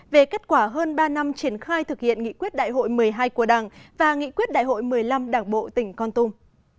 về kết quả hơn ba năm triển khai thực hiện nghị quyết đại hội một mươi hai của đảng và nghị quyết đại hội một mươi năm đảng bộ tỉnh con tum